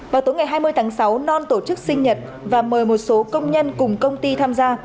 vào tối ngày hai mươi tháng sáu non tổ chức sinh nhật và mời một số công nhân cùng công ty tham gia